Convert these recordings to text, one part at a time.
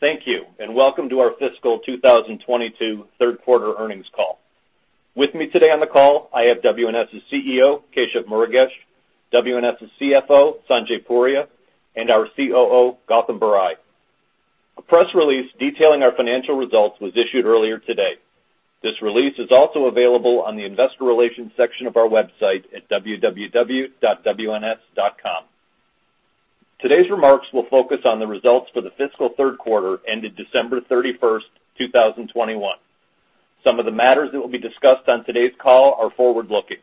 Thank you and welcome to our fiscal 2022 Third Quarter Earnings Call. With me today on the call I have WNS's CEO, Keshav Murugesh, WNS's CFO, Sanjay Puria, and our COO, Gautam Barai. A press release detailing our financial results was issued earlier today. This release is also available on the investor relations section of our website at www.wns.com. Today's remarks will focus on the results for the fiscal third quarter ended December 31, 2021. Some of the matters that will be discussed on today's call are forward-looking.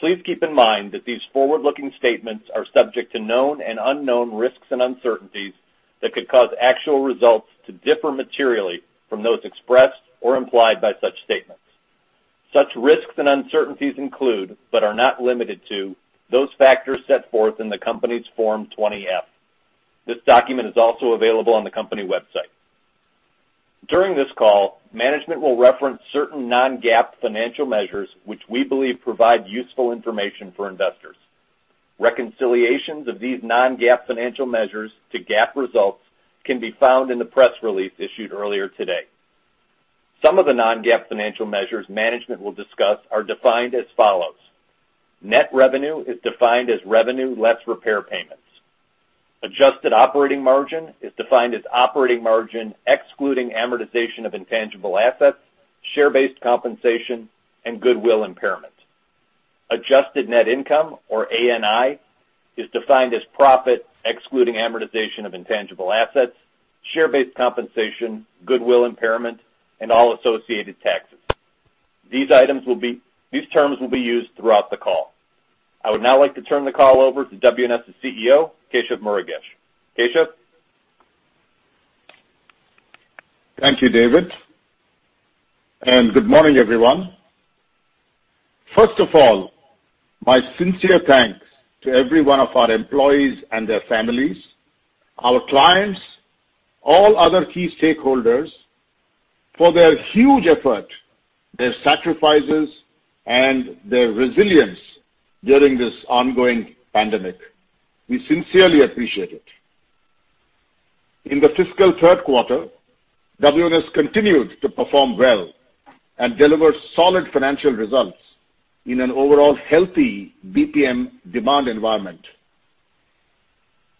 Please keep in mind that these forward-looking statements are subject to known and unknown risks and uncertainties that could cause actual results to differ materially from those expressed or implied by such statements. Such risks and uncertainties include, but are not limited to, those factors set forth in the company's Form 20-F. This document is also available on the company website. During this call, management will reference certain non-GAAP financial measures which we believe provide useful information for investors. Reconciliations of these non-GAAP financial measures to GAAP results can be found in the press release issued earlier today. Some of the non-GAAP financial measures management will discuss are defined as follows. Net revenue is defined as revenue less repair payments. Adjusted operating margin is defined as operating margin excluding amortization of intangible assets, share-based compensation, and goodwill impairment. Adjusted net income, or ANI, is defined as profit excluding amortization of intangible assets, share-based compensation, goodwill impairment, and all associated taxes. These terms will be used throughout the call. I would now like to turn the call over to WNS's CEO, Keshav Murugesh. Keshav? Thank you, Dave, and good morning, everyone. First of all, my sincere thanks to every one of our employees and their families, our clients, all other key stakeholders for their huge effort, their sacrifices, and their resilience during this ongoing pandemic. We sincerely appreciate it. In the fiscal third quarter, WNS continued to perform well and deliver solid financial results in an overall healthy BPM demand environment.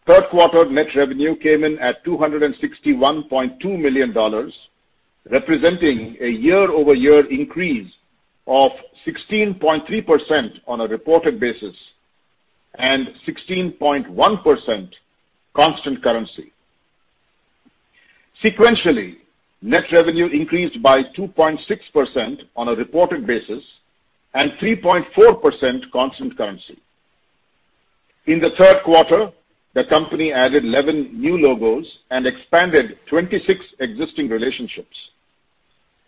Third quarter net revenue came in at $261.2 million, representing a year-over-year increase of 16.3% on a reported basis, and 16.1% constant currency. Sequentially, net revenue increased by 2.6% on a reported basis and 3.4% constant currency. In the third quarter, the company added 11 new logos and expanded 26 existing relationships.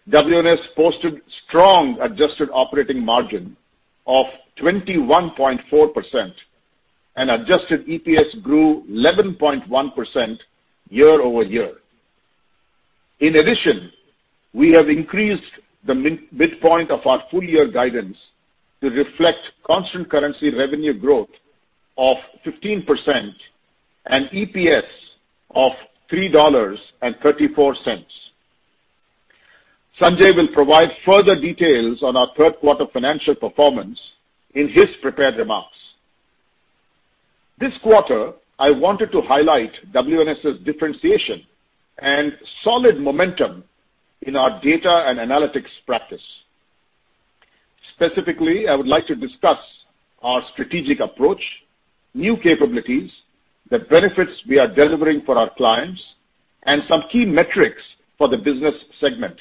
WNS posted strong adjusted operating margin of 21.4%, and adjusted EPS grew 11.1% year-over-year. In addition, we have increased the midpoint of our full year guidance to reflect constant currency revenue growth of 15% and EPS of $3.34. Sanjay will provide further details on our third quarter financial performance in his prepared remarks. This quarter, I wanted to highlight WNS's differentiation and solid momentum in our data and analytics practice. Specifically, I would like to discuss our strategic approach, new capabilities, the benefits we are delivering for our clients, and some key metrics for the business segment.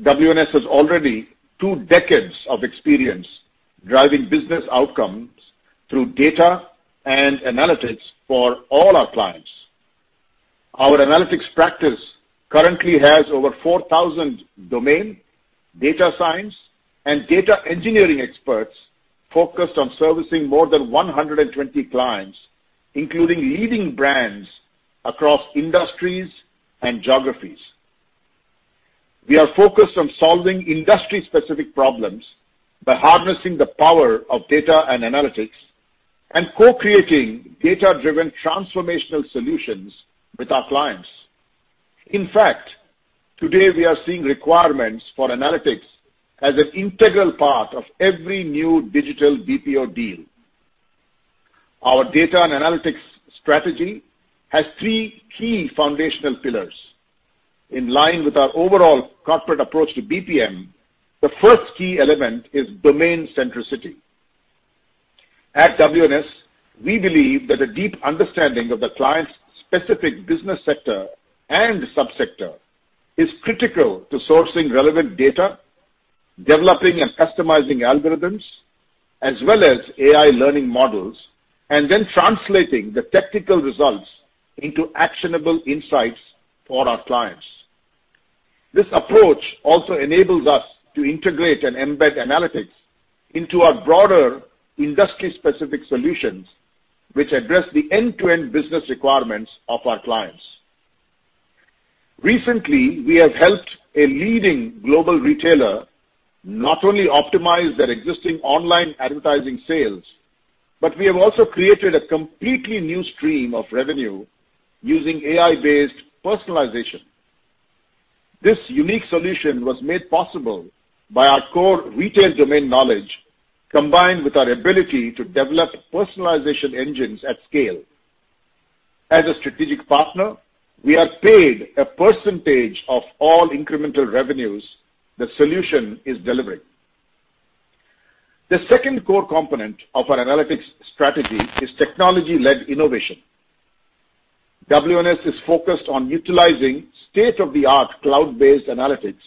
WNS has already two decades of experience driving business outcomes through data and analytics for all our clients. Our analytics practice currently has over 4,000 domain, data science, and data engineering experts focused on servicing more than 120 clients, including leading brands across industries and geographies. We are focused on solving industry-specific problems by harnessing the power of data and analytics and co-creating data-driven transformational solutions with our clients. In fact, today we are seeing requirements for analytics as an integral part of every new digital BPO deal. Our data and analytics strategy has three key foundational pillars. In line with our overall corporate approach to BPM, the first key element is domain centricity. At WNS, we believe that a deep understanding of the client's specific business sector and subsector is critical to sourcing relevant data, developing and customizing algorithms, as well as AI learning models, and then translating the technical results into actionable insights for our clients. This approach also enables us to integrate and embed analytics into our broader industry-specific solutions which address the end-to-end business requirements of our clients. Recently, we have helped a leading global retailer not only optimize their existing online advertising sales. But we have also created a completely new stream of revenue using AI-based personalization. This unique solution was made possible by our core retail domain knowledge, combined with our ability to develop personalization engines at scale. As a strategic partner, we are paid a percentage of all incremental revenues the solution is delivering. The second core component of our analytics strategy is technology-led innovation. WNS is focused on utilizing state-of-the-art cloud-based analytics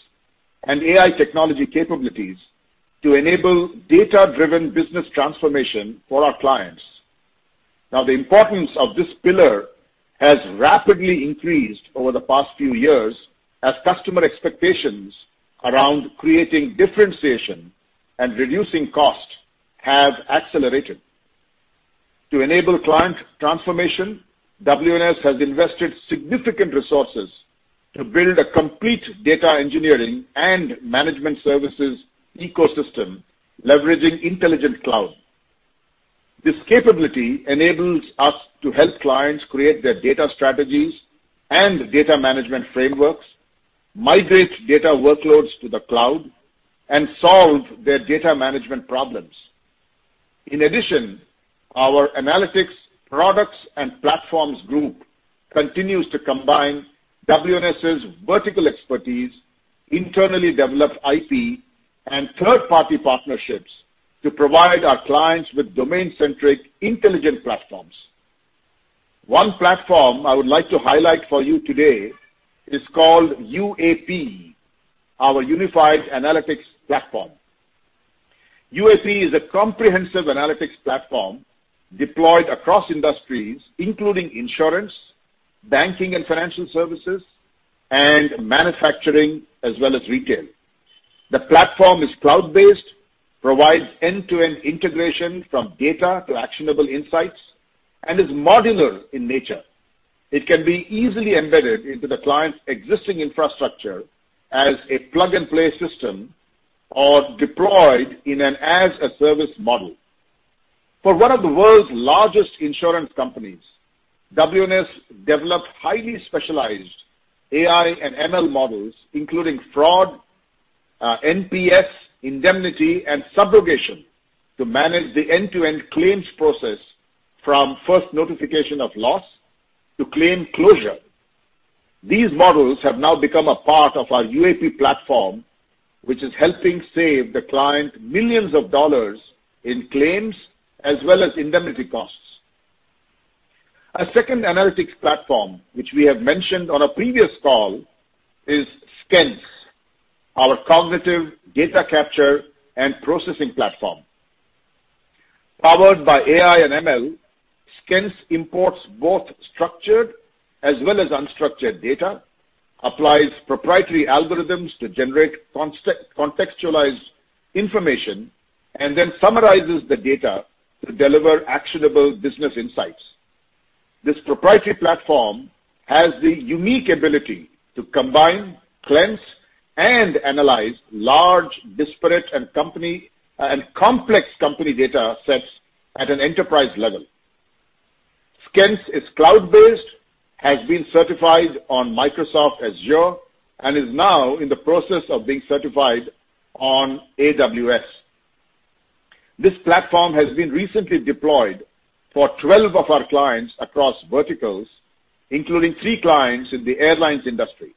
and AI technology capabilities to enable data-driven business transformation for our clients. Now, the importance of this pillar has rapidly increased over the past few years as customer expectations around creating differentiation and reducing cost have accelerated. To enable client transformation, WNS has invested significant resources to build a complete data engineering and management services ecosystem leveraging intelligent cloud. This capability enables us to help clients create their data strategies and data management frameworks, migrate data workloads to the cloud, and solve their data management problems. In addition, our analytics products and platforms group continues to combine WNS's vertical expertise, internally developed IP, and third-party partnerships to provide our clients with domain-centric intelligent platforms. One platform I would like to highlight for you today is called UAP, our Unified Analytics Platform. UAP is a comprehensive analytics platform deployed across industries, including insurance, banking and financial services, and manufacturing, as well as retail. The platform is cloud-based, provides end-to-end integration from data to actionable insights, and is modular in nature. It can be easily embedded into the client's existing infrastructure as a plug-and-play system or deployed in an as-a-service model. For one of the world's largest insurance companies, WNS developed highly specialized AI and ML models, including fraud, NPS, indemnity, and subrogation, to manage the end-to-end claims process from first notification of loss to claim closure. These models have now become a part of our UAP platform, which is helping save the client $ millions in claims as well as indemnity costs. A second analytics platform, which we have mentioned on a previous call, is SKENSE, our cognitive data capture and processing platform. Powered by AI and ML, SKENSE imports both structured as well as unstructured data, applies proprietary algorithms to generate contextualized information, and then summarizes the data to deliver actionable business insights. This proprietary platform has the unique ability to combine, cleanse, and analyze large, disparate, and complex company data sets at an enterprise level. SKENSE is cloud-based, has been certified on Microsoft Azure, and is now in the process of being certified on AWS. This platform has been recently deployed for 12 of our clients across verticals, including 3 clients in the airlines industry.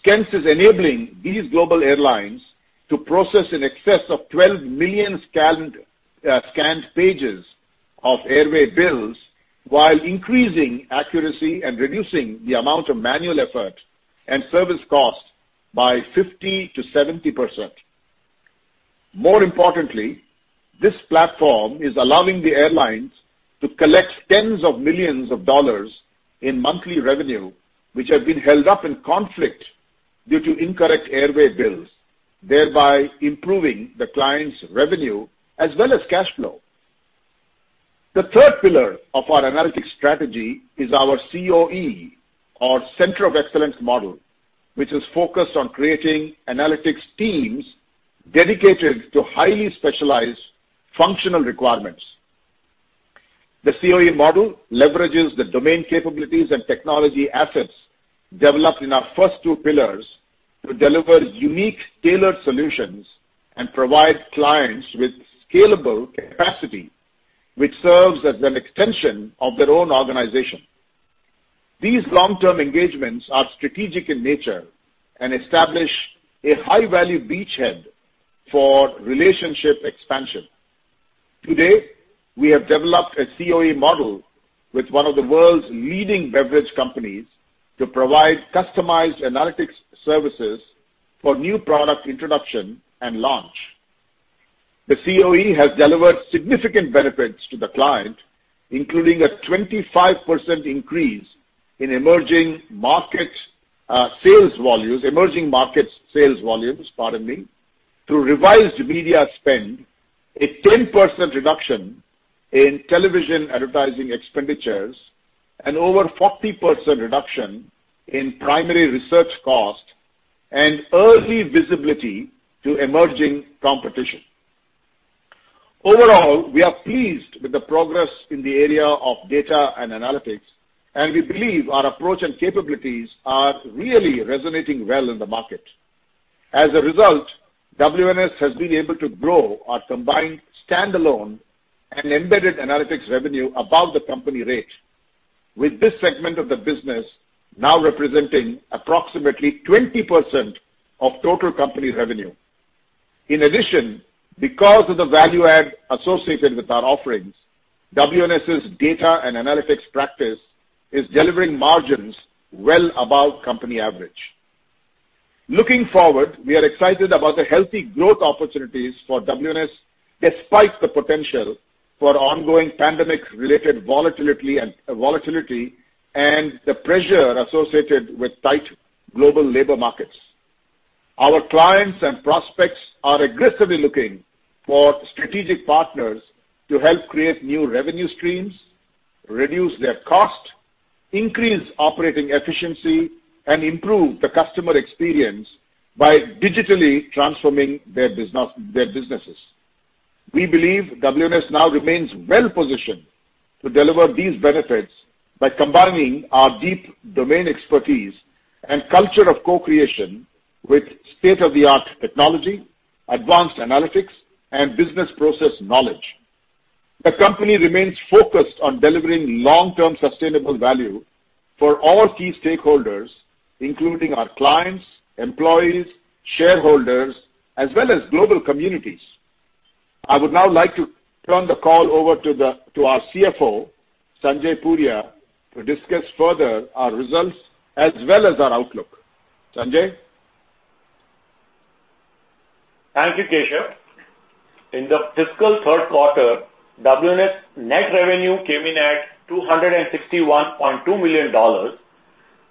SKENSE is enabling these global airlines to process in excess of 12 million scanned pages of airway bills while increasing accuracy and reducing the amount of manual effort and service costs by 50%-70%. More importantly, this platform is allowing the airlines to collect tens of millions of dollars in monthly revenue, which have been held up in conflict due to incorrect airway bills, thereby improving the client's revenue as well as cash flow. The third pillar of our analytics strategy is our CoE, or Center of Excellence model, which is focused on creating analytics teams dedicated to highly specialized functional requirements. The CoE model leverages the domain capabilities and technology assets developed in our first two pillars to deliver unique tailored solutions and provide clients with scalable capacity, which serves as an extension of their own organization. These long-term engagements are strategic in nature and establish a high-value beachhead for relationship expansion. Today, we have developed a CoE model with one of the world's leading beverage companies to provide customized analytics services for new product introduction and launch. The CoE has delivered significant benefits to the client, including a 25% increase in emerging market sales volumes. Emerging markets sales volumes, pardon me, through revised media spend, a 10% reduction in television advertising expenditures, and over 40% reduction in primary research costs. Early visibility to emerging competition. Overall, we are pleased with the progress in the area of data and analytics, and we believe our approach and capabilities are really resonating well in the market. As a result, WNS has been able to grow our combined standalone and embedded analytics revenue above the company rate, with this segment of the business now representing approximately 20% of total company revenue. In addition, because of the value add associated with our offerings, WNS's data and analytics practice is delivering margins well above company average. Looking forward, we are excited about the healthy growth opportunities for WNS despite the potential for ongoing pandemic-related volatility and the pressure associated with tight global labor markets. Our clients and prospects are aggressively looking for strategic partners to help create new revenue streams, reduce their cost, increase operating efficiency, and improve the customer experience by digitally transforming their businesses. We believe WNS now remains well-positioned to deliver these benefits by combining our deep domain expertise and culture of co-creation with state-of-the-art technology, advanced analytics, and business process knowledge. The company remains focused on delivering long-term sustainable value for all key stakeholders, including our clients, employees, shareholders, as well as global communities. I would now like to turn the call over to our CFO, Sanjay Puria, to discuss further our results as well as our outlook. Sanjay? Thank you, Keshav. In the fiscal third quarter, WNS net revenue came in at $261.2 million,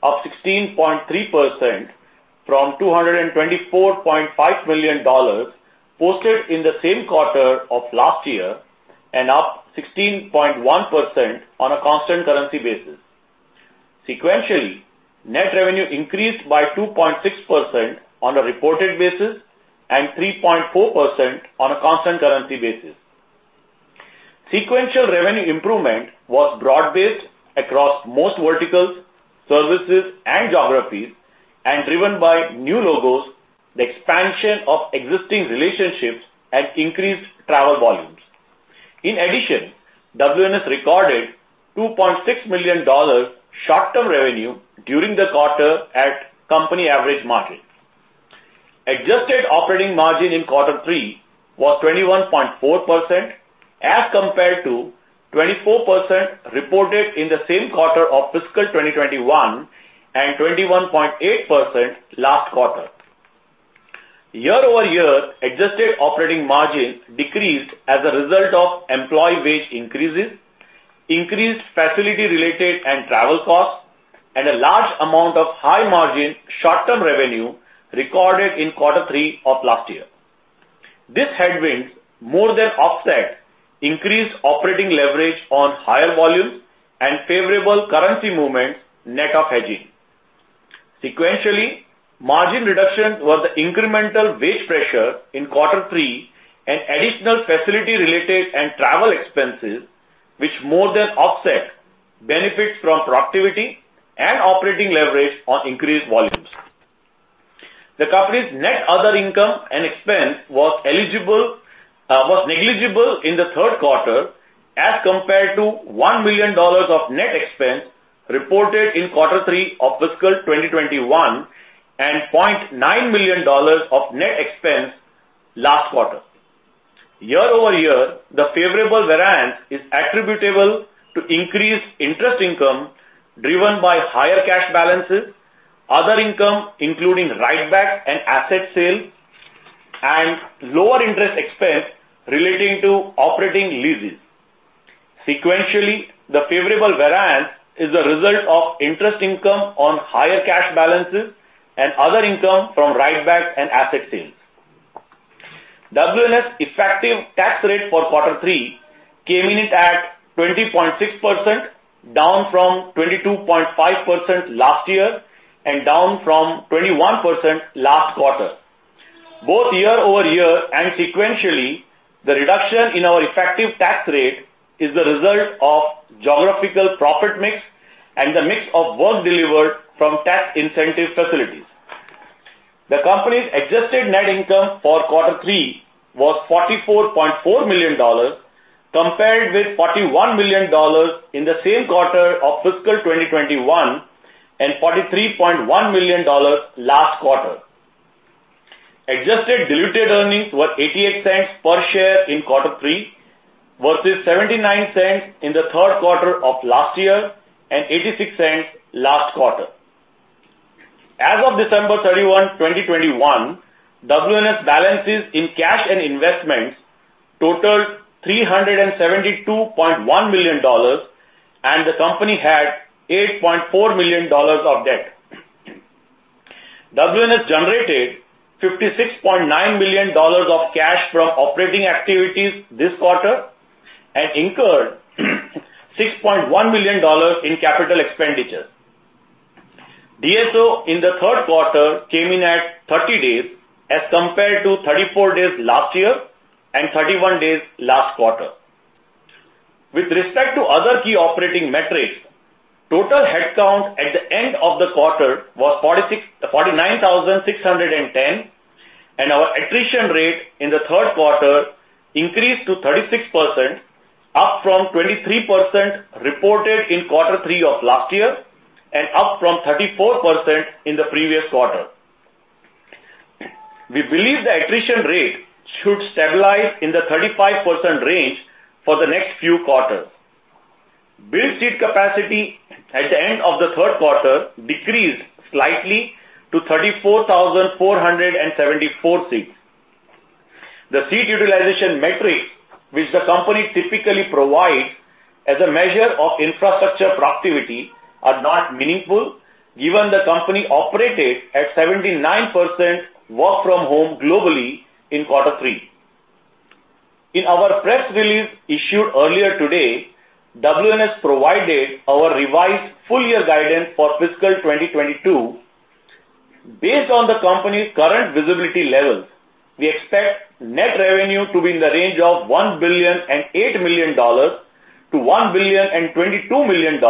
up 16.3% from $224.5 million posted in the same quarter of last year and up 16.1% on a constant currency basis. Sequentially, net revenue increased by 2.6% on a reported basis and 3.4% on a constant currency basis. Sequential revenue improvement was broad-based across most verticals, services, and geographies and driven by new logos, the expansion of existing relationships, and increased travel volumes. In addition, WNS recorded $2.6 million short-term revenue during the quarter at company average margin. Adjusted operating margin in quarter three was 21.4% as compared to 24% reported in the same quarter of fiscal 2021 and 21.8% last quarter. Year-over-year, adjusted operating margin decreased as a result of employee wage increases, increased facility-related and travel costs, and a large amount of high-margin short-term revenue recorded in quarter three of last year. These headwinds more than offset increased operating leverage on higher volumes and favorable currency movements net of hedging. Sequentially, margin reduction was the incremental wage pressure in quarter three and additional facility-related and travel expenses, which more than offset benefits from productivity and operating leverage on increased volumes. The company's net other income and expense was negligible in the third quarter as compared to $1 million of net expense reported in quarter three of fiscal 2021 and $0.9 million of net expense last quarter. Year-over-year, the favorable variance is attributable to increased interest income driven by higher cash balances, other income including write-backs and asset sales, and lower interest expense relating to operating leases. Sequentially, the favorable variance is a result of interest income on higher cash balances and other income from write-backs and asset sales. WNS effective tax rate for quarter three came in at 20.6%, down from 22.5% last year and down from 21% last quarter. Both year over year and sequentially, the reduction in our effective tax rate is the result of geographical profit mix and the mix of work delivered from tax incentive facilities. The company's adjusted net income for quarter three was $44.4 million, compared with $41 million in the same quarter of fiscal 2021 and $43.1 million last quarter. Adjusted diluted earnings were $0.88 per share in quarter three versus $0.79 in the third quarter of last year and $0.86 last quarter. As of December 31, 2021, WNS balances in cash and investments totaled $372.1 million, and the company had $8.4 million of debt. WNS generated $56.9 million of cash from operating activities this quarter and incurred $6.1 million in capital expenditures. DSO in the third quarter came in at 30 days as compared to 34 days last year and 31 days last quarter. With respect to other key operating metrics, total headcount at the end of the quarter was 49,610, and our attrition rate in the third quarter increased to 36%, up from 23% reported in quarter three of last year and up from 34% in the previous quarter. We believe the attrition rate should stabilize in the 35% range for the next few quarters. Billed seat capacity at the end of the third quarter decreased slightly to 34,474 seats. The seat utilization metrics which the company typically provides as a measure of infrastructure productivity are not meaningful, given the company operated at 79% work from home globally in quarter three. In our press release issued earlier today, WNS provided our revised full year guidance for fiscal 2022. Based on the company's current visibility levels, we expect net revenue to be in the range of $1.008 billion to $1.022 billion,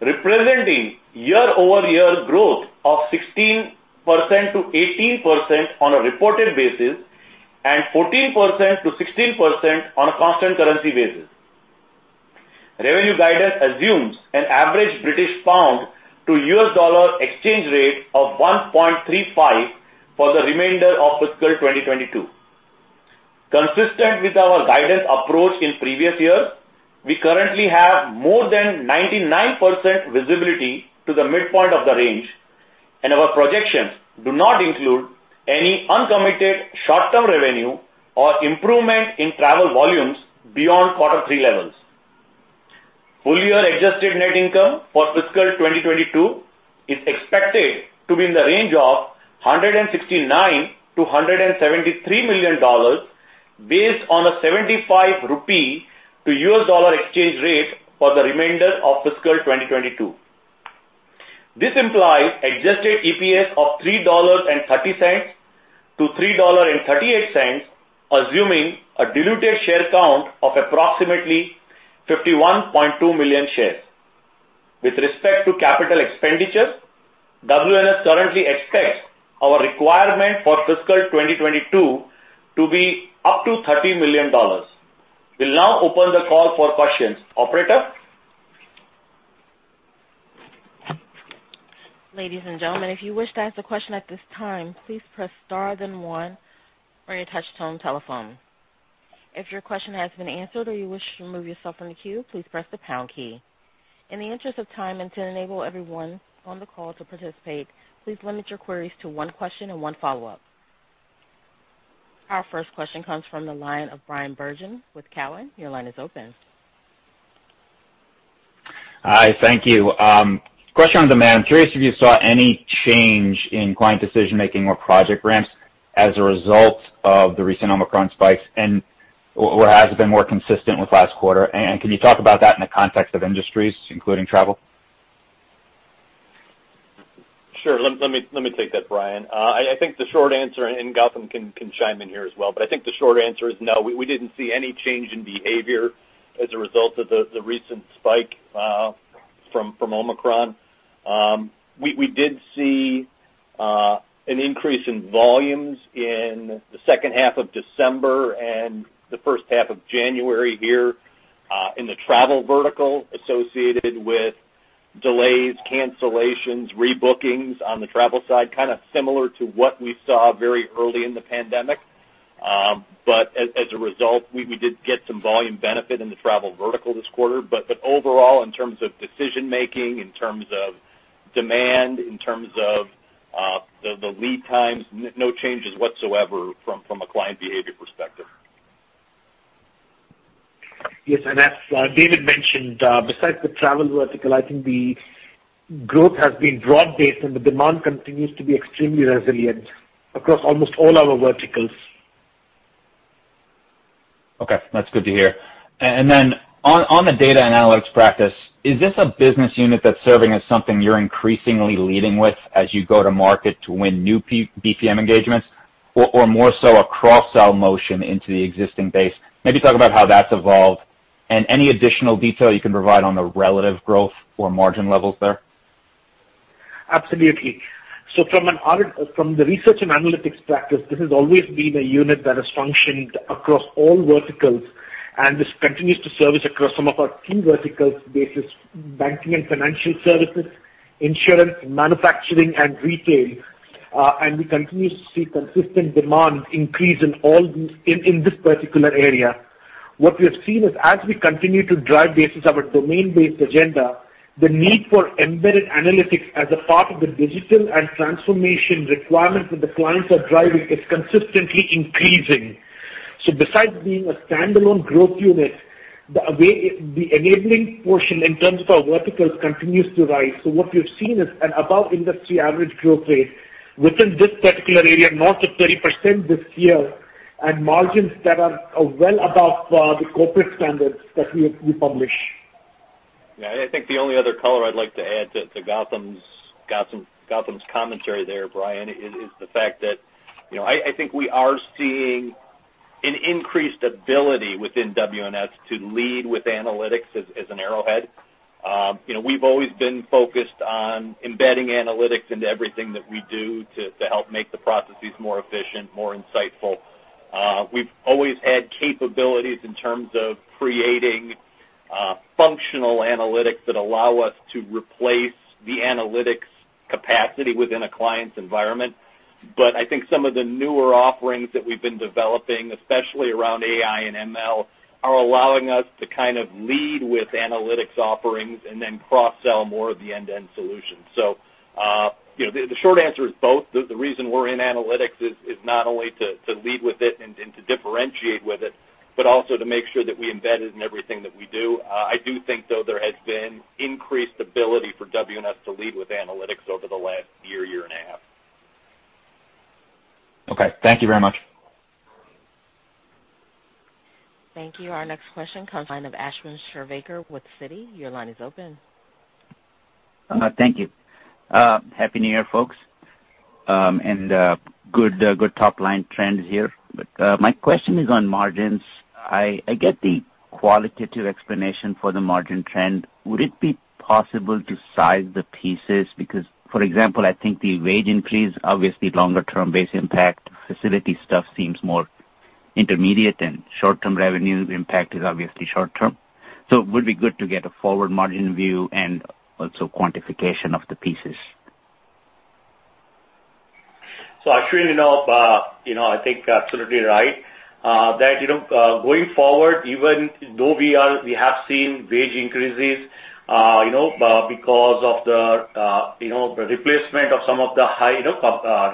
representing year-over-year growth of 16%-18% on a reported basis and 14%-16% on a constant currency basis. Revenue guidance assumes an average British pound to US dollar exchange rate of 1.35 for the remainder of fiscal 2022. Consistent with our guidance approach in previous years, we currently have more than 99% visibility to the midpoint of the range, and our projections do not include any uncommitted short-term revenue or improvement in travel volumes beyond quarter three levels. Full year adjusted net income for fiscal 2022 is expected to be in the range of $169 million-$173 million based on a 75 rupee to U.S. dollar exchange rate for the remainder of fiscal 2022. This implies adjusted EPS of $3.30-$3.38, assuming a diluted share count of approximately 51.2 million shares. With respect to capital expenditures, WNS currently expects our requirement for fiscal 2022 to be up to $30 million. We'll now open the call for questions. Operator? Our first question comes from the line of Bryan Bergin with Cowen. Your line is open. Hi. Thank you. Question on demand. I'm curious if you saw any change in client decision-making or project ramps as a result of the recent Omicron spikes, or has it been more consistent with last quarter? Can you talk about that in the context of industries, including travel? Sure. Let me take that, Bryan. I think the short answer, and Gautam can chime in here as well, but I think the short answer is no. We didn't see any change in behavior as a result of the recent spike from Omicron. We did see an increase in volumes in the second half of December and the first half of January here in the travel vertical associated with delays, cancellations, rebookings on the travel side, kinda similar to what we saw very early in the pandemic. As a result, we did get some volume benefit in the travel vertical this quarter. Overall, in terms of decision-making, in terms of demand, in terms of the lead times, no changes whatsoever from a client behavior perspective. Yes. As Dave mentioned, besides the travel vertical, I think the growth has been broad-based, and the demand continues to be extremely resilient across almost all our verticals. Okay. That's good to hear. On the data and analytics practice, is this a business unit that's serving as something you're increasingly leading with as you go to market to win new BPM engagements or more so a cross-sell motion into the existing base? Maybe talk about how that's evolved and any additional detail you can provide on the relative growth or margin levels there. Absolutely. From the research and analytics practice, this has always been a unit that has functioned across all verticals, and this continues to service across some of our key verticals based on banking and financial services, insurance, manufacturing and retail. We continue to see consistent demand increase in all these in this particular area. What we have seen is as we continue to drive based on our domain-based agenda, the need for embedded analytics as a part of the digital and transformation requirements that the clients are driving is consistently increasing. Besides being a standalone growth unit, the enabling portion in terms of our verticals continues to rise. What we've seen is an above-industry average growth rate within this particular area, north of 30% this year. Margins that are well above the corporate standards that we publish. Yeah, I think the only other color I'd like to add to Gautam's commentary there, Bryan, is the fact that, you know, I think we are seeing an increased ability within WNS to lead with analytics as an arrowhead. You know, we've always been focused on embedding analytics into everything that we do to help make the processes more efficient, more insightful. We've always had capabilities in terms of creating functional analytics that allow us to replace the analytics capacity within a client's environment. But I think some of the newer offerings that we've been developing, especially around AI and ML, are allowing us to kind of lead with analytics offerings and then cross-sell more of the end-to-end solutions. You know, the short answer is both. The reason we're in analytics is not only to lead with it and to differentiate with it, but also to make sure that we embed it in everything that we do. I do think, though, there has been increased ability for WNS to lead with analytics over the last year and a half. Okay. Thank you very much. Thank you. Our next question comes from Ashwin Shirvaikar with Citi. Your line is open. Thank you. Happy New Year, folks. Good top-line trends here. My question is on margins. I get the qualitative explanation for the margin trend. Would it be possible to size the pieces? Because, for example, I think the wage increase, obviously longer term base impact, facility stuff seems more intermediate and short-term revenue impact is obviously short term. So it would be good to get a forward margin view and also quantification of the pieces. Ashwin, you know, I think you're absolutely right, that, you know, going forward, even though we have seen wage increases, you know, because of the replacement of some of the high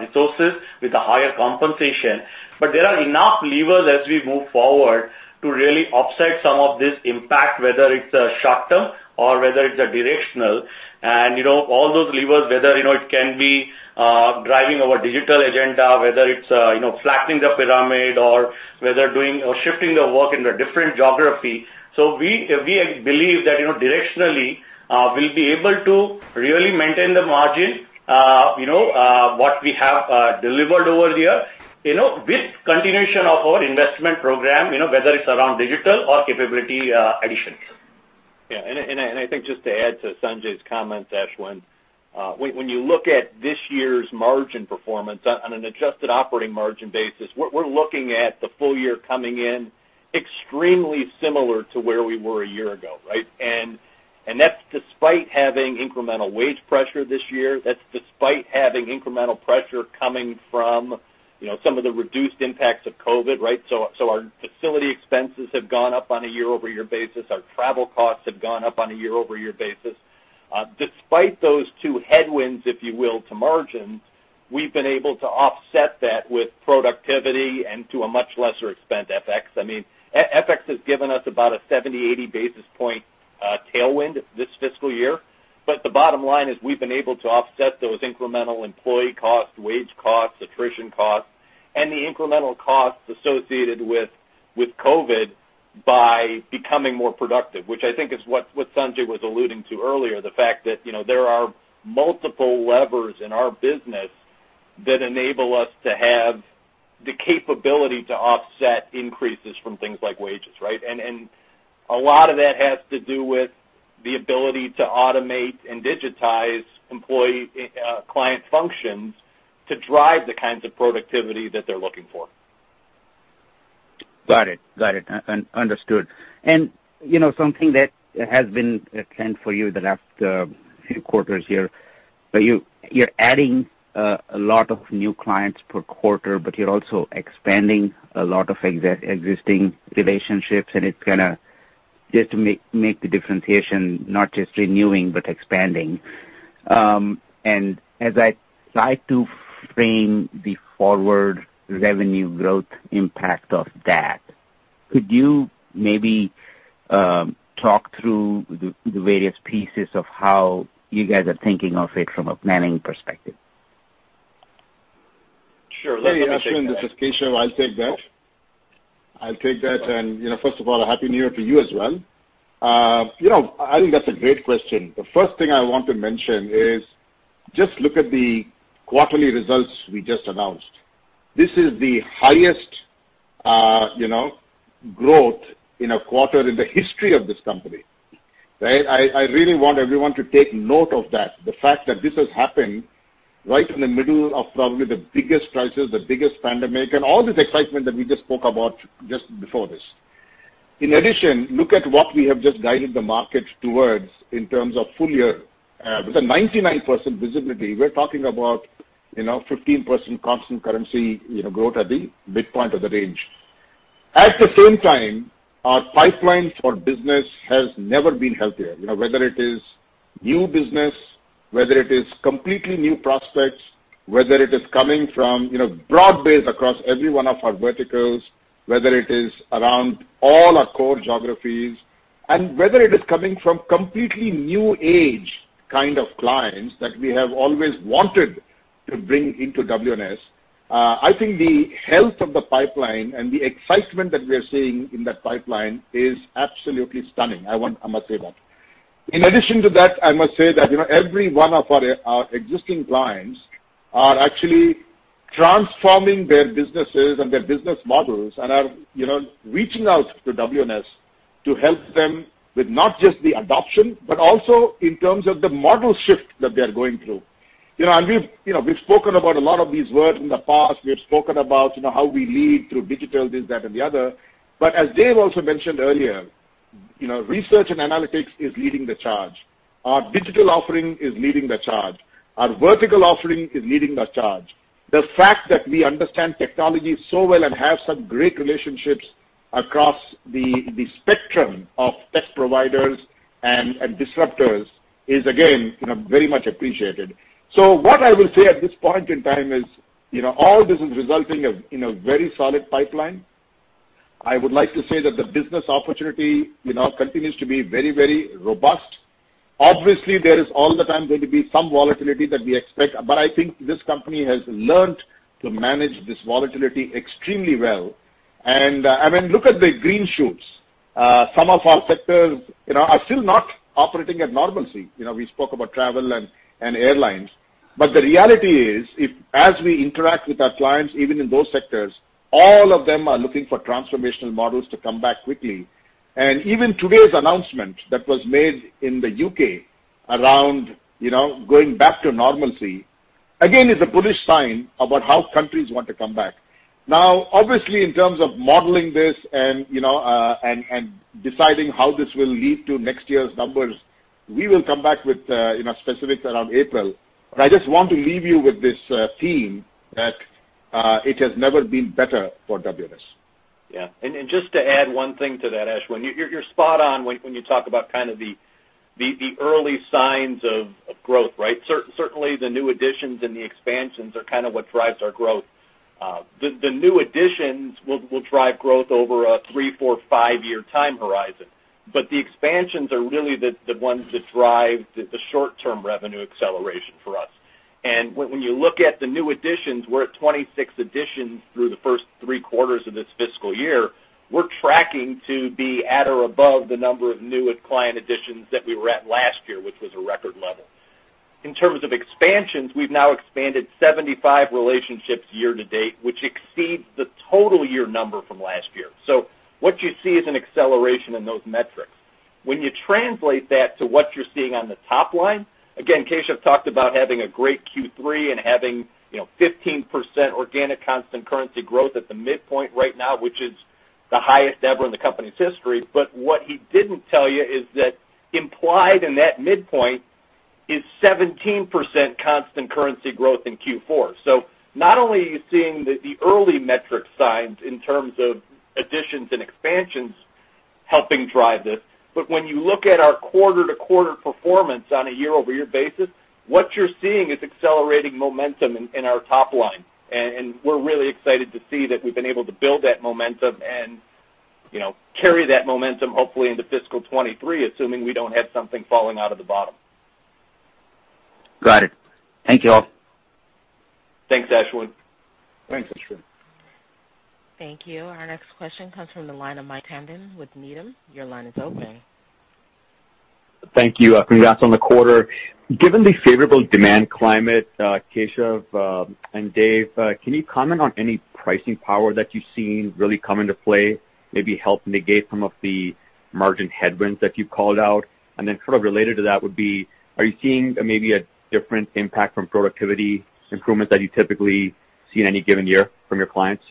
resources with a higher compensation. There are enough levers as we move forward to really offset some of this impact, whether it's short term or whether it's a directional. You know, all those levers, whether it can be driving our digital agenda, whether it's flattening the pyramid or whether doing or shifting the work in a different geography. We believe that, you know, directionally, we'll be able to really maintain the margin, you know, what we have delivered over the year, you know, with continuation of our investment program, you know, whether it's around digital or capability additions. Yeah. I think just to add to Sanjay's comments, Ashwin, when you look at this year's margin performance on an adjusted operating margin basis, we're looking at the full year coming in extremely similar to where we were a year ago, right? That's despite having incremental wage pressure this year. That's despite having incremental pressure coming from, you know, some of the reduced impacts of COVID, right? Our facility expenses have gone up on a year-over-year basis. Our travel costs have gone up on a year-over-year basis. Despite those two headwinds, if you will, to margin, we've been able to offset that with productivity and to a much lesser extent, FX. I mean, FX has given us about a 70-80 basis points tailwind this fiscal year. The bottom line is we've been able to offset those incremental employee costs, wage costs, attrition costs, and the incremental costs associated with COVID by becoming more productive, which I think is what Sanjay was alluding to earlier, the fact that, you know, there are multiple levers in our business that enable us to have the capability to offset increases from things like wages, right? A lot of that has to do with the ability to automate and digitize employee, client functions to drive the kinds of productivity that they're looking for. Got it. Understood. You know, something that has been a trend for you the last few quarters here, but you're adding a lot of new clients per quarter, but you're also expanding a lot of existing relationships, and it's gonna just to make the differentiation, not just renewing, but expanding. As I try to frame the forward revenue growth impact of that, could you maybe talk through the various pieces of how you guys are thinking of it from a planning perspective? Sure. Hey, Ashwin, this is Keshav. I'll take that. You know, first of all, a Happy New Year to you as well. You know, I think that's a great question. The first thing I want to mention is just look at the quarterly results we just announced. This is the highest, you know, growth in a quarter in the history of this company, right? I really want everyone to take note of that. The fact that this has happened right in the middle of probably the biggest crisis, the biggest pandemic, and all this excitement that we just spoke about just before this. In addition, look at what we have just guided the market towards in terms of full year. With a 99% visibility, we're talking about, you know, 15% constant currency, you know, growth at the midpoint of the range. At the same time, our pipeline for business has never been healthier. You know, whether it is new business, whether it is completely new prospects, whether it is coming from, you know, broad-based across every one of our verticals, whether it is around all our core geographies, whether it is coming from completely new age kind of clients that we have always wanted to bring into WNS, I think the health of the pipeline and the excitement that we are seeing in that pipeline is absolutely stunning. I must say that. In addition to that, I must say that, you know, every one of our existing clients are actually transforming their businesses and their business models and are, you know, reaching out to WNS to help them with not just the adoption, but also in terms of the model shift that they are going through. You know, we've spoken about a lot of these words in the past. We have spoken about, you know, how we lead through digital, this, that, and the other. As Dave also mentioned earlier, you know, research and analytics is leading the charge. Our digital offering is leading the charge. Our vertical offering is leading the charge. The fact that we understand technology so well and have some great relationships across the spectrum of tech providers and disruptors is again, you know, very much appreciated. What I will say at this point in time is, you know, all this is resulting in a very solid pipeline. I would like to say that the business opportunity, you know, continues to be very, very robust. Obviously, there is all the time going to be some volatility that we expect, but I think this company has learned to manage this volatility extremely well. I mean, look at the green shoots. Some of our sectors, you know, are still not operating at normalcy. You know, we spoke about travel and airlines, but the reality is if, as we interact with our clients, even in those sectors, all of them are looking for transformational models to come back quickly. Even today's announcement that was made in the U.K. around, you know, going back to normalcy, again, is a bullish sign about how countries want to come back. Now, obviously, in terms of modeling this and, you know, and deciding how this will lead to next year's numbers, we will come back with, you know, specifics around April. I just want to leave you with this theme that it has never been better for WNS. Yeah. Just to add one thing to that, Ashwin, you're spot on when you talk about kind of the early signs of growth, right? Certainly, the new additions and the expansions are kind of what drives our growth. The new additions will drive growth over a three, four, five-year time horizon. The expansions are really the ones that drive the short-term revenue acceleration for us. When you look at the new additions, we're at 26 additions through the first three quarters of this fiscal year. We're tracking to be at or above the number of new client additions that we were at last year, which was a record level. In terms of expansions, we've now expanded 75 relationships year to date, which exceeds the total year number from last year. What you see is an acceleration in those metrics. When you translate that to what you're seeing on the top line, again, Keshav talked about having a great Q3 and having, you know, 15% organic constant currency growth at the midpoint right now, which is the highest ever in the company's history. What he didn't tell you is that implied in that midpoint is 17% constant currency growth in Q4. Not only are you seeing the early metric signs in terms of additions and expansions helping drive this, but when you look at our quarter-to-quarter performance on a year-over-year basis, what you're seeing is accelerating momentum in our top line. We're really excited to see that we've been able to build that momentum and, you know, carry that momentum hopefully into fiscal 2023, assuming we don't have something falling out of the bottom. Got it. Thank you all. Thanks, Ashwin. Thanks, Ashwin. Thank you. Our next question comes from the line of Mayank Tandon with Needham. Your line is open. Thank you. Congrats on the quarter. Given the favorable demand climate, Keshav and Dave, can you comment on any pricing power that you've seen really come into play, maybe help negate some of the margin headwinds that you called out? Then sort of related to that would be, are you seeing maybe a different impact from productivity improvements that you typically see in any given year from your clients?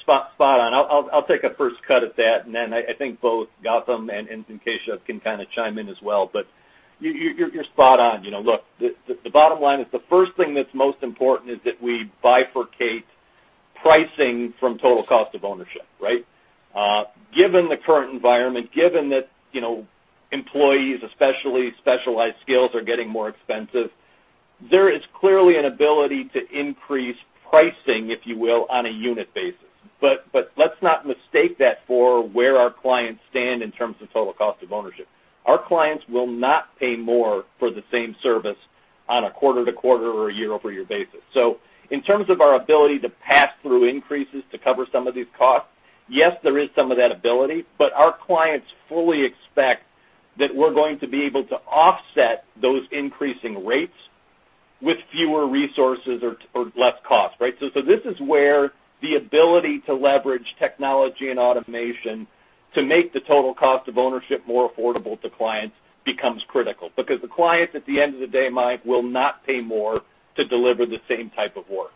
Spot on. I'll take a first cut at that, and then I think both Gautam and Keshav can kinda chime in as well. You're spot on. You know, look, the bottom line is the first thing that's most important is that we bifurcate pricing from total cost of ownership, right? Given the current environment, given that, you know, employees, especially specialized skills, are getting more expensive, there is clearly an ability to increase pricing, if you will, on a unit basis. Let's not mistake that for where our clients stand in terms of total cost of ownership. Our clients will not pay more for the same service on a quarter-to-quarter or a year-over-year basis. In terms of our ability to pass through increases to cover some of these costs, yes, there is some of that ability, but our clients fully expect that we're going to be able to offset those increasing rates with fewer resources or less cost, right? This is where the ability to leverage technology and automation to make the total cost of ownership more affordable to clients becomes critical because the clients at the end of the day, Mayank, will not pay more to deliver the same type of work.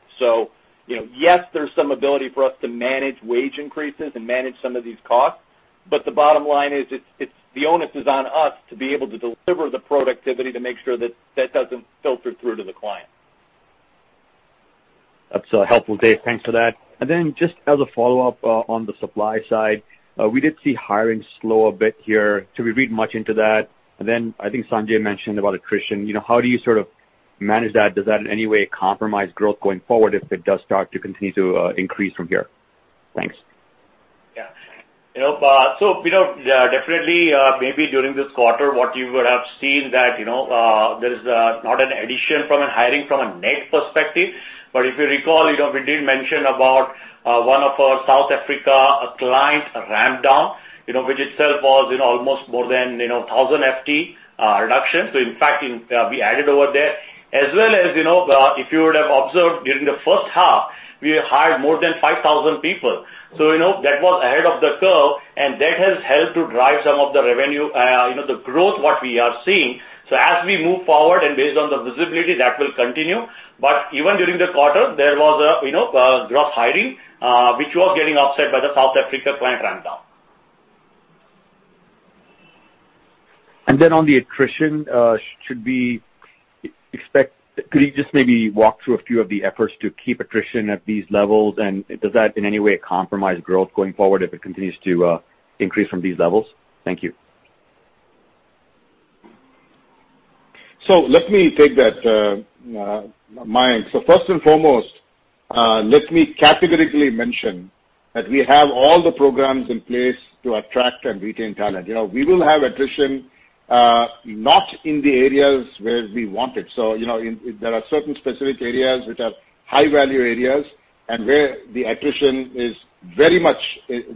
You know, yes, there's some ability for us to manage wage increases and manage some of these costs, but the bottom line is it's the onus is on us to be able to deliver the productivity to make sure that that doesn't filter through to the client. That's helpful, Dave. Thanks for that. Just as a follow-up, on the supply side, we did see hiring slow a bit here. Should we read much into that? I think Sanjay mentioned about attrition. You know, how do you sort of manage that, does that in any way compromise growth going forward if it does start to continue to increase from here? Thanks. You know, we know definitely maybe during this quarter what you would have seen that, you know, there is not an addition from a hiring from a net perspective. If you recall, you know, we did mention about one of our South Africa client ramp down, you know, which itself was almost more than 1,000 FTE reduction. In fact, we added over there. As well as, you know, if you would have observed during the first half, we hired more than 5,000 people. You know, that was ahead of the curve, and that has helped to drive some of the revenue, you know, the growth what we are seeing. As we move forward and based on the visibility, that will continue. Even during the quarter, there was, you know, growth hiring, which was getting offset by the South Africa client ramp down. Could you just maybe walk through a few of the efforts to keep attrition at these levels? Does that in any way compromise growth going forward if it continues to increase from these levels? Thank you. Let me take that, Mayank. First and foremost, let me categorically mention that we have all the programs in place to attract and retain talent. You know, we will have attrition, not in the areas where we want it. There are certain specific areas which are high-value areas and where the attrition is very much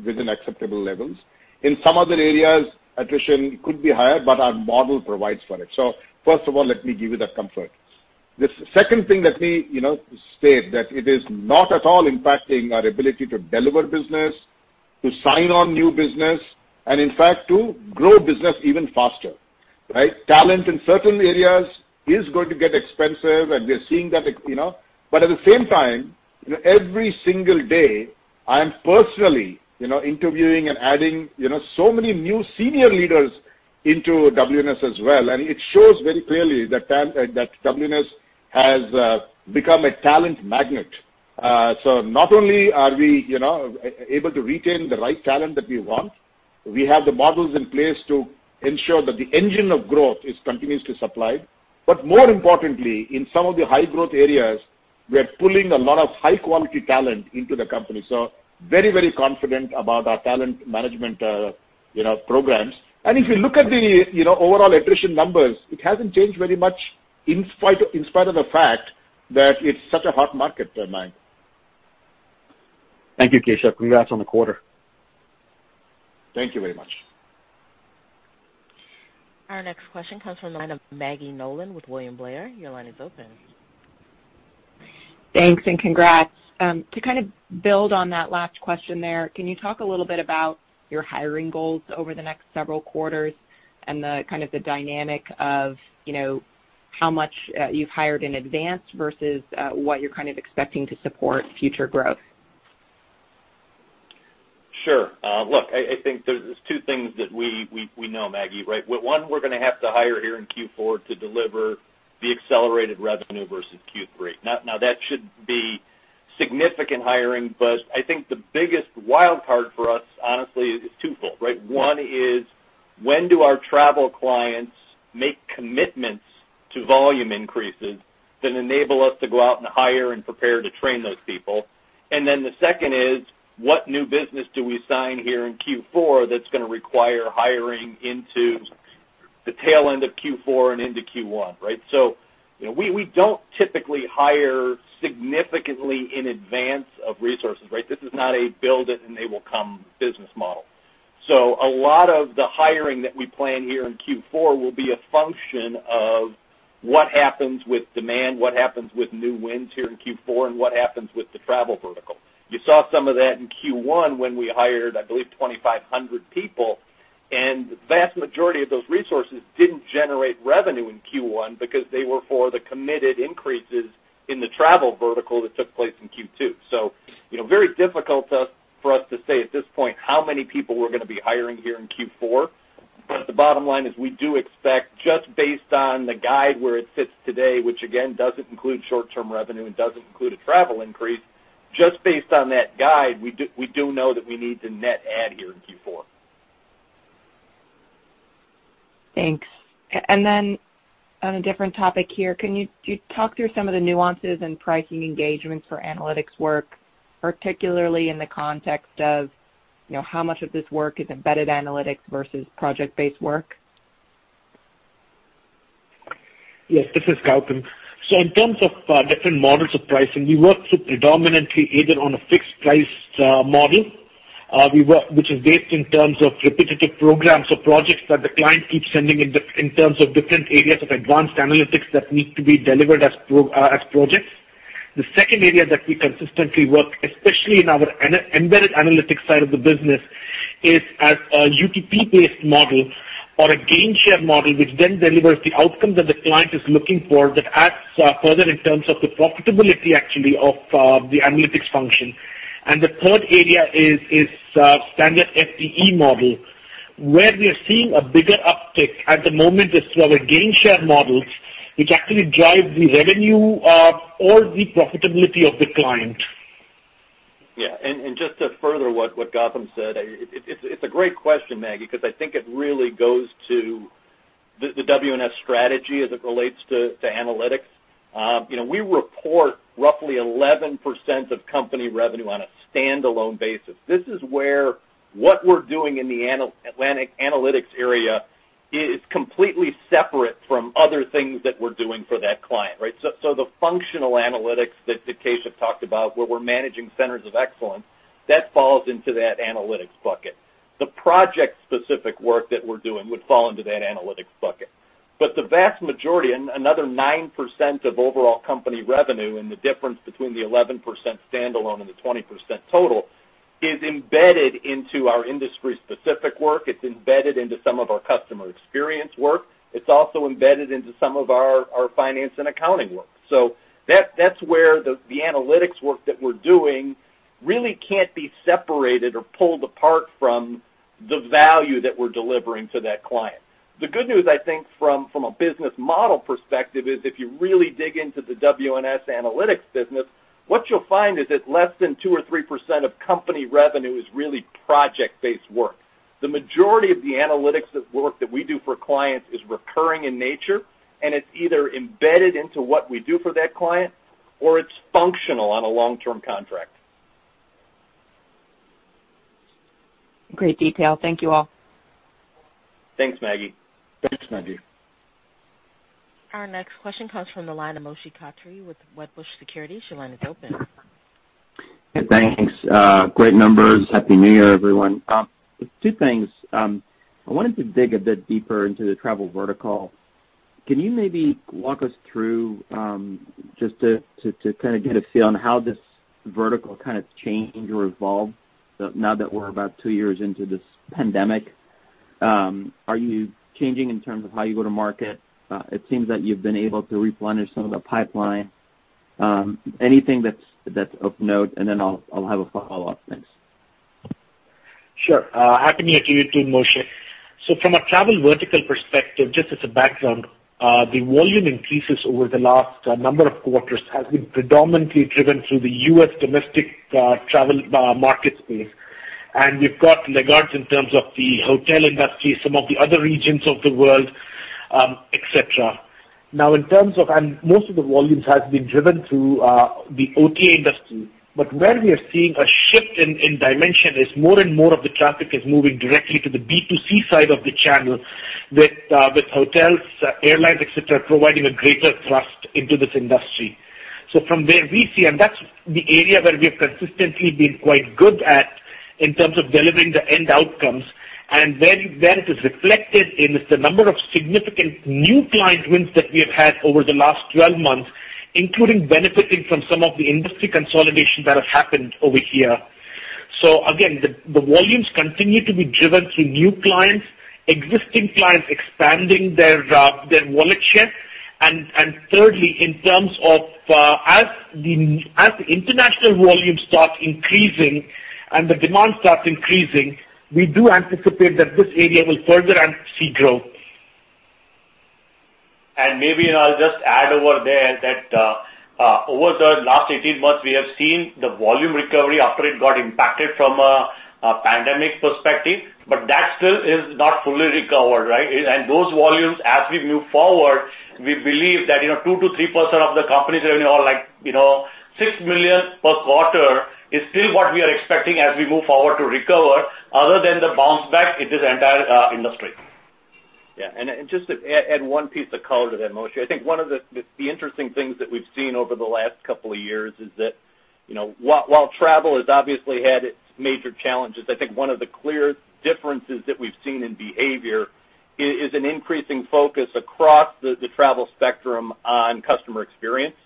within acceptable levels. In some other areas, attrition could be higher, but our model provides for it. First of all, let me give you that comfort. The second thing, let me state that it is not at all impacting our ability to deliver business, to sign on new business and in fact, to grow business even faster, right? Talent in certain areas is going to get expensive, and we are seeing that, you know? At the same time, every single day, I am personally, you know, interviewing and adding, you know, so many new senior leaders into WNS as well. It shows very clearly that WNS has become a talent magnet. Not only are we, you know, able to retain the right talent that we want, we have the models in place to ensure that the engine of growth is continuously supplied. More importantly, in some of the high-growth areas, we are pulling a lot of high-quality talent into the company. Very, very confident about our talent management, you know, programs. If you look at the, you know, overall attrition numbers, it hasn't changed very much in spite of the fact that it's such a hot market there, Mayank. Thank you, Keshav. Congrats on the quarter. Thank you very much. Our next question comes from the line of Maggie Nolan with William Blair. Your line is open. Thanks and congrats. To kind of build on that last question there, can you talk a little bit about your hiring goals over the next several quarters and the kind of dynamic of, you know, how much you've hired in advance versus what you're kind of expecting to support future growth? Sure. Look, I think there's two things that we know, Maggie, right? One, we're gonna have to hire here in Q4 to deliver the accelerated revenue versus Q3. Now that should be significant hiring, but I think the biggest wildcard for us honestly is twofold, right? One is when do our travel clients make commitments to volume increases that enable us to go out and hire and prepare to train those people? And then the second is, what new business do we sign here in Q4 that's gonna require hiring into the tail end of Q4 and into Q1, right? You know, we don't typically hire significantly in advance of resources, right? This is not a build it and they will come business model. A lot of the hiring that we plan here in Q4 will be a function of what happens with demand, what happens with new wins here in Q4, and what happens with the travel vertical. You saw some of that in Q1 when we hired, I believe, 2,500 people, and the vast majority of those resources didn't generate revenue in Q1 because they were for the committed increases in the travel vertical that took place in Q2. You know, very difficult for us to say at this point how many people we're gonna be hiring here in Q4. The bottom line is we do expect, just based on the guide where it sits today, which again doesn't include short-term revenue and doesn't include a travel increase, just based on that guide, we do know that we need to net add here in Q4. Thanks. On a different topic here, could you talk through some of the nuances in pricing engagements for analytics work, particularly in the context of, you know, how much of this work is embedded analytics versus project-based work? Yes, this is Gautam. In terms of different models of pricing, we work predominantly either on a fixed price model, which is based in terms of repetitive programs or projects that the client keeps sending in terms of different areas of advanced analytics that need to be delivered as projects. The second area that we consistently work, especially in our embedded analytics side of the business, is at a UTP-based model or a gain share model, which then delivers the outcome that the client is looking for that adds further in terms of the profitability actually of the analytics function. The third area is standard FTE model. Where we are seeing a bigger uptick at the moment is through our gain share models, which actually drive the revenue and all the profitability of the client. Yeah. Just to further what Gautam said, it’s a great question, Maggie, ’cause I think it really goes to the WNS strategy as it relates to analytics. You know, we report roughly 11% of company revenue on a standalone basis. This is where what we're doing in the analytics area is completely separate from other things that we're doing for that client, right? The functional analytics that Keshav talked about where we're managing centers of excellence, that falls into that analytics bucket. The project-specific work that we're doing would fall into that analytics bucket. But the vast majority, and another 9% of overall company revenue and the difference between the 11% standalone and the 20% total, is embedded into our industry-specific work. It's embedded into some of our customer experience work. It's also embedded into some of our finance and accounting work. That's where the analytics work that we're doing really can't be separated or pulled apart from the value that we're delivering to that client. The good news, I think, from a business model perspective is if you really dig into the WNS analytics business, what you'll find is that less than 2 or 3% of company revenue is really project-based work. The majority of the analytics work that we do for clients is recurring in nature, and it's either embedded into what we do for that client or it's functional on a long-term contract. Great detail. Thank you all. Thanks, Maggie. Thanks, Maggie. Our next question comes from the line of Moshe Katri with Wedbush Securities. Your line is open. Hey, thanks. Great numbers. Happy New Year, everyone. Two things. I wanted to dig a bit deeper into the travel vertical. Can you maybe walk us through just to kinda get a feel on how this vertical kind of changed or evolved now that we're about two years into this pandemic? Are you changing in terms of how you go to market? It seems that you've been able to replenish some of the pipeline. Anything that's of note, and then I'll have a follow-up. Thanks. Sure. Happy new year to you too, Moshe. From a travel vertical perspective, just as a background, the volume increases over the last number of quarters has been predominantly driven through the U.S. domestic travel market space. We've got laggards in terms of the hotel industry, some of the other regions of the world, et cetera. Now most of the volumes has been driven through the OTA industry. Where we are seeing a shift in dimension is more and more of the traffic is moving directly to the B2C side of the channel with hotels, airlines, et cetera, providing a greater thrust into this industry. From where we see, that's the area where we have consistently been quite good at in terms of delivering the end outcomes, and where it is reflected in the number of significant new client wins that we have had over the last 12 months, including benefiting from some of the industry consolidation that have happened over here. Again, the volumes continue to be driven through new clients, existing clients expanding their wallet share, and thirdly, in terms of, as the international volumes start increasing and the demand starts increasing, we do anticipate that this area will further see growth. Maybe I'll just add over there that, over the last 18 months, we have seen the volume recovery after it got impacted from a pandemic perspective, but that still is not fully recovered, right? Those volumes, as we move forward, we believe that, you know, 2%-3% of the company's revenue or like, you know, $6 million per quarter is still what we are expecting as we move forward to recover other than the bounce back in this entire industry. Yeah. Just to add one piece of color to that, Moshe. I think one of the interesting things that we've seen over the last couple of years is that, you know, while travel has obviously had its major challenges, I think one of the clear differences that we've seen in behavior is an increasing focus across the travel spectrum on customer experience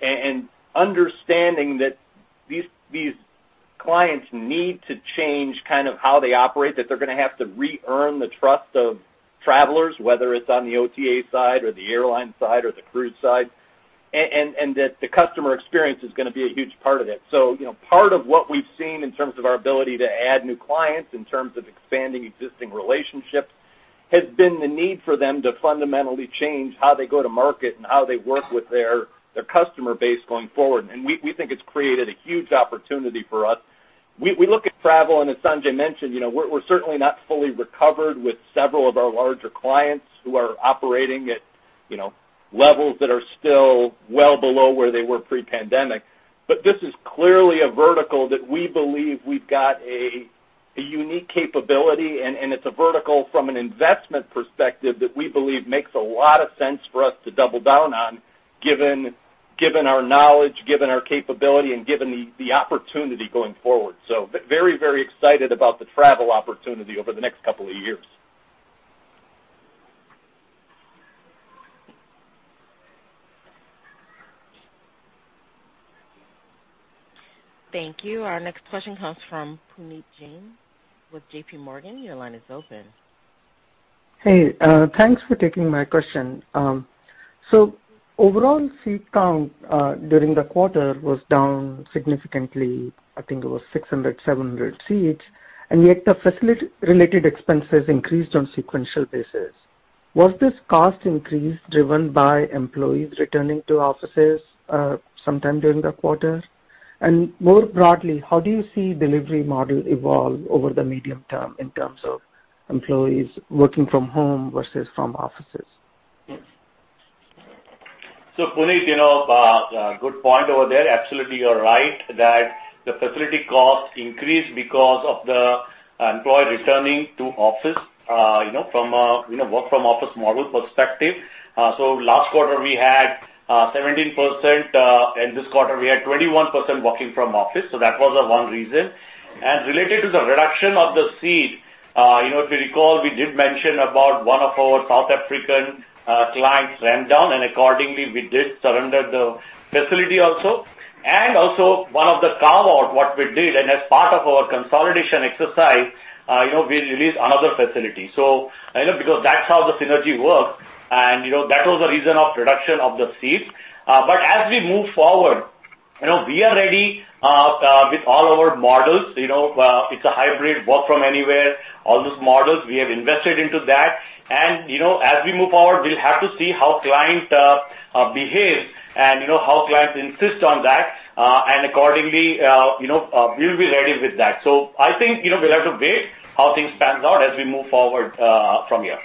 and understanding that these clients need to change kind of how they operate, that they're gonna have to re-earn the trust of travelers, whether it's on the OTA side or the airline side or the cruise side, and that the customer experience is gonna be a huge part of that. You know, part of what we've seen in terms of our ability to add new clients, in terms of expanding existing relationships, has been the need for them to fundamentally change how they go to market and how they work with their customer base going forward. We think it's created a huge opportunity for us. We look at travel, and as Sanjay mentioned, you know, we're certainly not fully recovered with several of our larger clients who are operating at, you know, levels that are still well below where they were pre-pandemic. This is clearly a vertical that we believe we've got a unique capability, and it's a vertical from an investment perspective that we believe makes a lot of sense for us to double down on given our knowledge, given our capability, and given the opportunity going forward. Very, very excited about the travel opportunity over the next couple of years. Thank you. Our next question comes from Puneet Jain with JPMorgan. Your line is open. Hey, thanks for taking my question. Overall seat count during the quarter was down significantly. I think it was 600-700 seats, and yet the facility related expenses increased on sequential basis. Was this cost increase driven by employees returning to offices sometime during the quarter? More broadly, how do you see delivery model evolve over the medium term in terms of employees working from home versus from offices? Puneet, you know, good point over there. Absolutely, you're right that the facility costs increased because of the employee returning to office, you know, from work from office model perspective. Last quarter we had 17%, and this quarter we had 21% working from office. That was the one reason. Related to the reduction of the seat, you know, if you recall, we did mention about one of our South African client's ramped down, and accordingly, we did surrender the facility also. Also, one of the carve out what we did, and as part of our consolidation exercise, you know, we released another facility. You know, because that's how the synergy works and, you know, that was the reason of reduction of the seats. As we move forward, you know, we are ready with all our models. You know, as we move forward, we'll have to see how client behaves and, you know, how clients insist on that, and accordingly, you know, we'll be ready with that. I think, you know, we'll have to wait how things pans out as we move forward from here.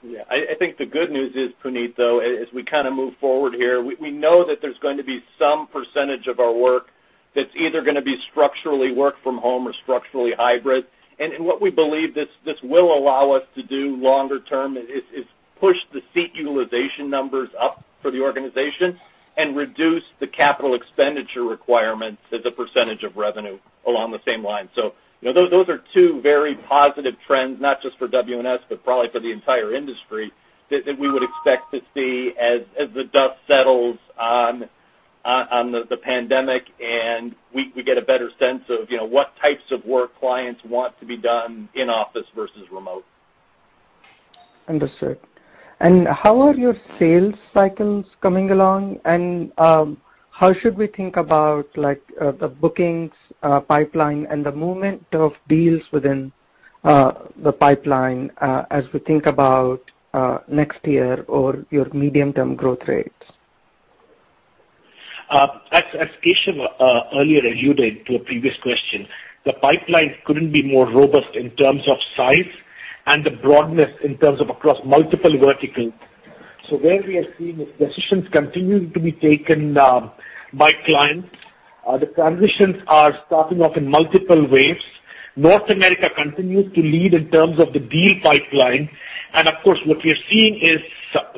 Yeah. I think the good news is, Puneet, though, as we kinda move forward here, we know that there's going to be some percentage of our work that's either gonna be structurally work from home or structurally hybrid. What we believe this will allow us to do longer term is push the seat utilization numbers up for the organization and reduce the capital expenditure requirements as a percentage of revenue along the same lines. You know, those are two very positive trends, not just for WNS, but probably for the entire industry that we would expect to see as the dust settles on the pandemic and we get a better sense of, you know, what types of work clients want to be done in office versus remote. Understood. How are your sales cycles coming along? How should we think about like, the bookings, pipeline and the movement of deals within, the pipeline, as we think about, next year or your medium-term growth rates? As Keshav earlier alluded to a previous question, the pipeline couldn't be more robust in terms of size and the broadness in terms of across multiple verticals. Where we are seeing is decisions continuing to be taken by clients. The transitions are starting off in multiple waves. North America continues to lead in terms of the deal pipeline. Of course, what we are seeing is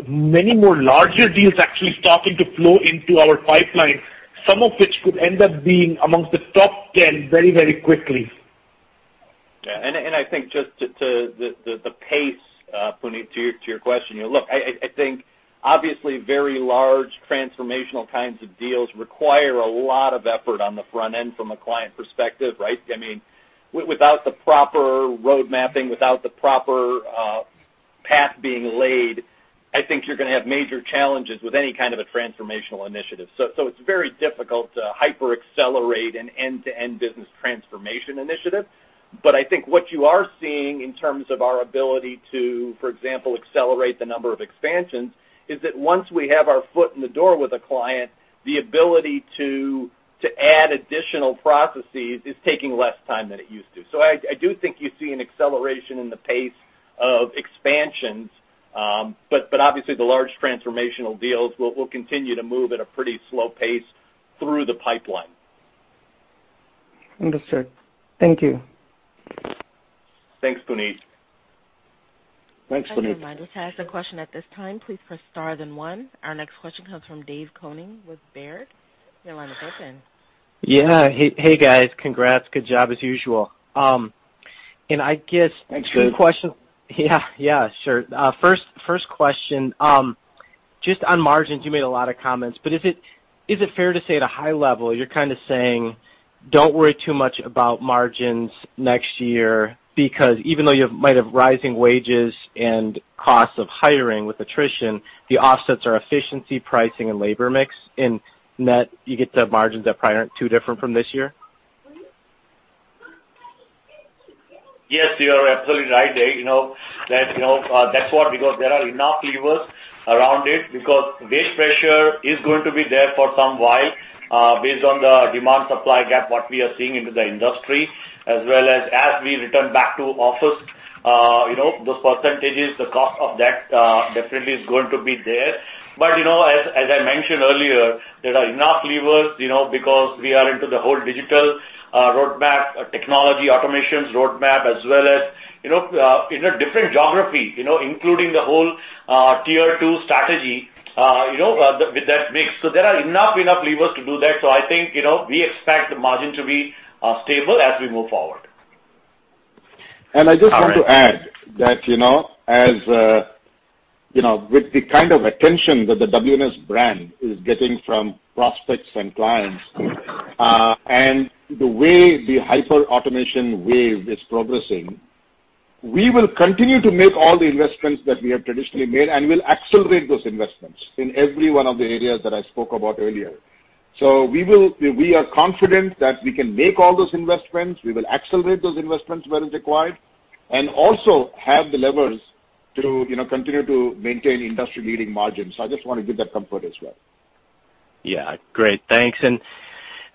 many more larger deals actually starting to flow into our pipeline, some of which could end up being amongst the top ten very, very quickly. Yeah. I think just to the pace, Puneet, to your question, you know, look, I think obviously very large transformational kinds of deals require a lot of effort on the front end from a client perspective, right? I mean, without the proper road mapping, without the proper path being laid, I think you're gonna have major challenges with any kind of a transformational initiative. It's very difficult to hyper accelerate an end-to-end business transformation initiative. But I think what you are seeing in terms of our ability to, for example, accelerate the number of expansions, is that once we have our foot in the door with a client, the ability to add additional processes is taking less time than it used to. I do think you see an acceleration in the pace of expansions, but obviously the large transformational deals will continue to move at a pretty slow pace through the pipeline. Understood. Thank you. Thanks, Puneet. Thanks, Puneet. Our next question comes from Dave Koning with Baird. Your line is open. Yeah. Hey, guys. Congrats. Good job as usual. I guess- Thanks, Dave. Two questions. Yeah, sure. First question, just on margins, you made a lot of comments, but is it fair to say at a high level, you're kinda saying, "Don't worry too much about margins next year," because even though you might have rising wages and costs of hiring with attrition, the offsets are efficiency, pricing and labor mix, in net you get to margins that probably aren't too different from this year? Yes, you are absolutely right, Dave. You know, that's what, because there are enough levers around it because wage pressure is going to be there for some while, based on the demand supply gap what we are seeing in the industry as well as we return back to office, you know, those percentages, the cost of that, definitely is going to be there. You know, as I mentioned earlier, there are enough levers, you know, because we are into the whole digital roadmap, technology automations roadmap as well as, you know, in a different geography, you know, including the whole tier two strategy, you know, with that mix. There are enough levers to do that. I think, you know, we expect the margin to be stable as we move forward. I just want to add that, you know, as, you know, with the kind of attention that the WNS brand is getting from prospects and clients, and the way the hyper-automation wave is progressing, we will continue to make all the investments that we have traditionally made, and we'll accelerate those investments in every one of the areas that I spoke about earlier. We are confident that we can make all those investments. We will accelerate those investments where it's required, and also have the levers to, you know, continue to maintain industry-leading margins. I just wanna give that comfort as well. Yeah. Great. Thanks.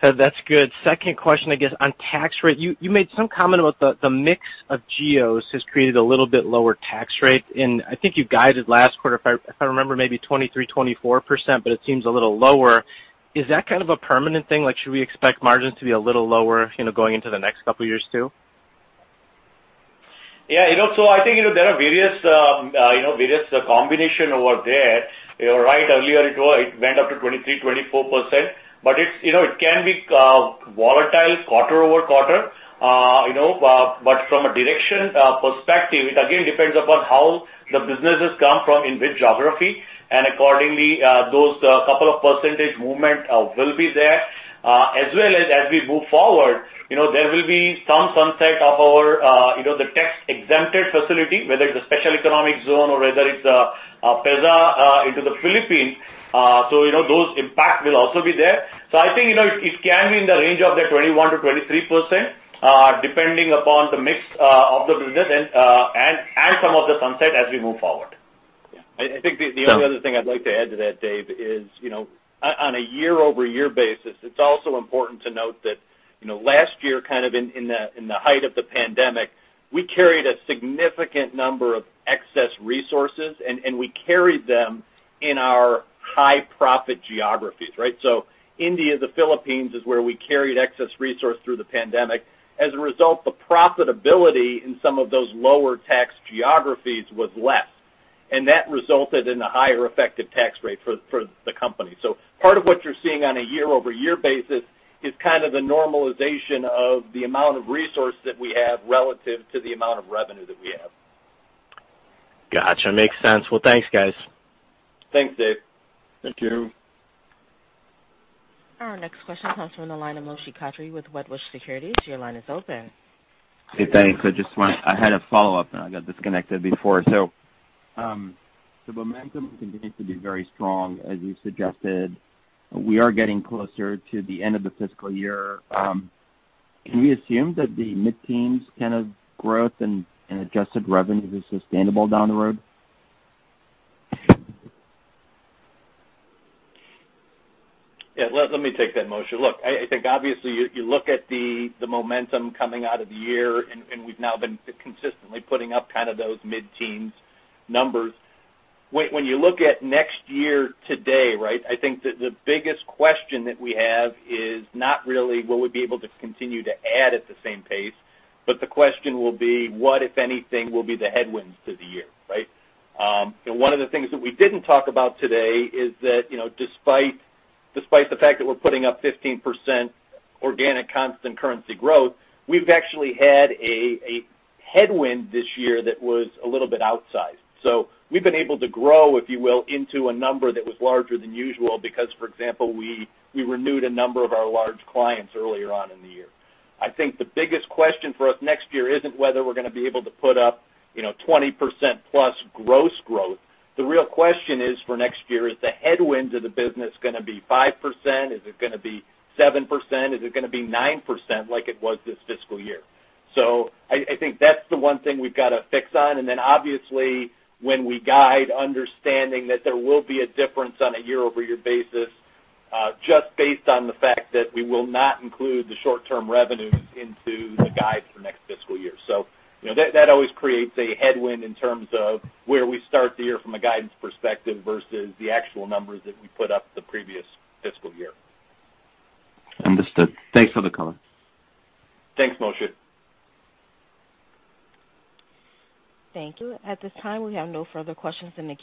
That's good. Second question, I guess on tax rate. You made some comment about the mix of geos has created a little bit lower tax rate, and I think you guided last quarter, if I remember, maybe 23%-24%, but it seems a little lower. Is that kind of a permanent thing? Like, should we expect margins to be a little lower, you know, going into the next couple years too? Yeah, you know, I think there are various combinations over there. You're right. Earlier it went up to 23%-24%. But it can be volatile quarter-over-quarter. From a direction perspective, it again depends upon how the businesses come from in which geography, and accordingly, those couple of percentage movements will be there. As well as we move forward, you know, there will be some sunset of our tax-exempted facility, whether it's a special economic zone or whether it's a PEZA into the Philippines. So, you know, those impacts will also be there. I think, you know, it can be in the range of 21%-23%, depending upon the mix of the business and some of the sunset as we move forward. Yeah. I think the only other thing I'd like to add to that, Dave, is, you know, on a year-over-year basis, it's also important to note that, you know, last year kind of in the height of the pandemic, we carried a significant number of excess resources and we carried them in our high profit geographies, right? So India, the Philippines is where we carried excess resource through the pandemic. As a result, the profitability in some of those lower tax geographies was less, and that resulted in a higher effective tax rate for the company. So part of what you're seeing on a year-over-year basis is kind of the normalization of the amount of resource that we have relative to the amount of revenue that we have. Gotcha. Makes sense. Well, thanks, guys. Thanks, Dave. Thank you. Our next question comes from the line of Moshe Katri with Wedbush Securities. Your line is open. Hey, thanks. I had a follow-up and I got disconnected before. The momentum continues to be very strong as you suggested. We are getting closer to the end of the fiscal year. Can we assume that the mid-teens kind of growth and adjusted revenue is sustainable down the road? Yeah, let me take that, Moshe. Look, I think obviously you look at the momentum coming out of the year and we've now been consistently putting up kind of those mid-teens numbers. When you look at next year today, right? I think the biggest question that we have is not really will we be able to continue to add at the same pace, but the question will be what, if anything, will be the headwinds to the year, right? One of the things that we didn't talk about today is that, you know, despite the fact that we're putting up 15% organic constant currency growth, we've actually had a headwind this year that was a little bit outsized. We've been able to grow, if you will, into a number that was larger than usual because, for example, we renewed a number of our large clients earlier on in the year. I think the biggest question for us next year isn't whether we're gonna be able to put up, you know, 20%+ gross growth. The real question is for next year, is the headwinds of the business gonna be 5%? Is it gonna be 7%? Is it gonna be 9% like it was this fiscal year? I think that's the one thing we've gotta fix on. Then obviously when we guide understanding that there will be a difference on a year-over-year basis, just based on the fact that we will not include the short-term revenues into the guides for next fiscal year. You know, that always creates a headwind in terms of where we start the year from a guidance perspective versus the actual numbers that we put up the previous fiscal year. Understood. Thanks for the color. Thanks, Moshe. Thank you. At this time, we have no further questions in the queue.